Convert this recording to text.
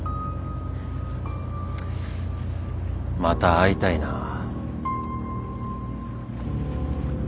また会いたいな。